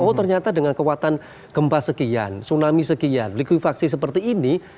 oh ternyata dengan kekuatan gempa sekian tsunami sekian likuifaksi seperti ini